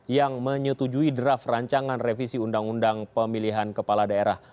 yang menyetujui draft rancangan revisi undang undang pemilihan kepala daerah